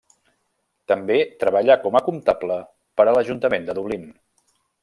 També treballà com a comptable per a l'ajuntament de Dublín.